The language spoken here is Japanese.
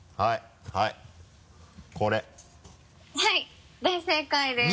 はい大正解です。